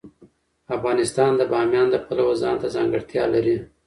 افغانستان د بامیان د پلوه ځانته ځانګړتیا لري.